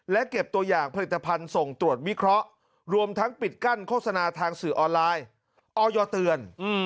และเก็บตัวอย่างผลิตภัณฑ์ส่งตรวจวิเคราะห์รวมทั้งปิดกั้นโฆษณาทางสื่อออนไลน์ออยเตือน